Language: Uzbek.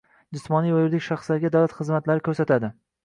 jismoniy va yuridik shaxslarga davlat xizmatlari ko’rsatadi.